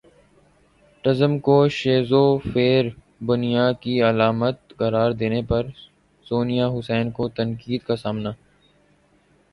ٹزم کو شیزوفیرینیا کی علامت قرار دینے پر سونیا حسین کو تنقید کا سامنا